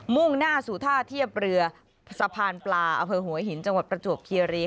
่งหน้าสู่ท่าเทียบเรือสะพานปลาอำเภอหัวหินจังหวัดประจวบเคียรี